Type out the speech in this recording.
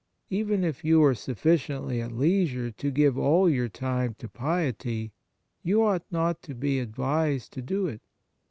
Even if you were sufficiently at leisure to give all your time to piety, you ought not to be advised to do it.